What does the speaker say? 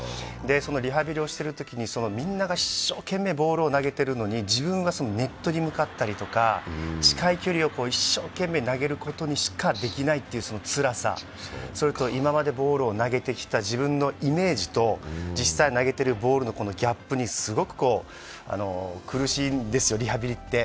リハビリをしてるときにみんなが一生懸命ボールを投げてるのに自分はネットに向かったりとか、近い距離を一生懸命投げることしかできないというつらさ、それと、今までボールを投げてきた自分のイメージと実際投げているボールのギャップにすごく苦しいんですよ、リハビリって。